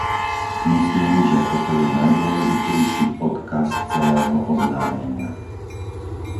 Myslím, že toto je najdôležitejší odkaz celého oznámenia.